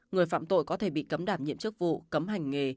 người phạm tội có thể bị cấm đảm nhiệm chức vụ cấm hành nghề